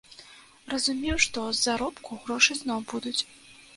Разумеў, што з заробку грошы зноў будуць.